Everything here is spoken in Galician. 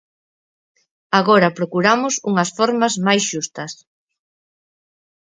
Agora procuramos unhas formas máis xustas.